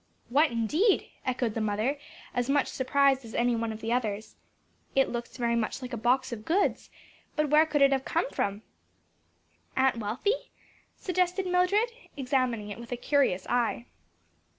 "What indeed!" echoed the mother, as much surprised as any one of the others. "It looks very like a box of goods; but where could it come from?" "Aunt Wealthy," suggested Mildred, examining it with a curious eye.